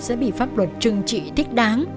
sẽ bị pháp luật trừng trị thích đáng